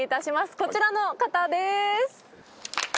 こちらの方です。